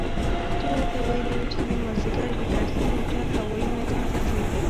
چا ورته ويلي و چې نن مازديګر د کرزي موټر هوايي ميدان ته ځي.